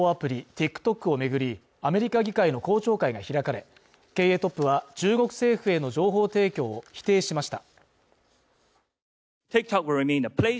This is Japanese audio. ＴｉｋＴｏｋを巡り、アメリカ議会の公聴会が開かれ、経営トップは中国政府への情報提供を否定しました。